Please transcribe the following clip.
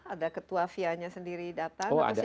ada ketua fia nya sendiri datang